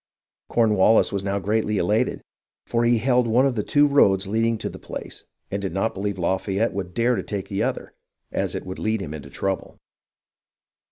Cornwallis was now greatly elated, for he held one of the two roads leading to the place and did not believe Lafayette would dare to take the other, as it would lead him into trouble.